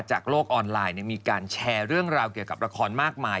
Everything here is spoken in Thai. โลกออนไลน์มีการแชร์เรื่องราวเกี่ยวกับละครมากมาย